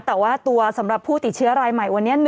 แต่ว่าตัวสำหรับผู้ติดเชื้อรายใหม่วันนี้